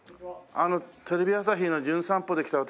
テレビ朝日の『じゅん散歩』で来た私